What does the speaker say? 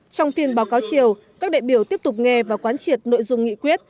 trong phiên báo cáo chiều các đại biểu tiếp tục nghe và quán triệt nội dung nghị quyết